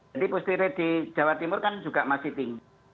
jadi positivity rate di jawa timur kan juga masih tinggi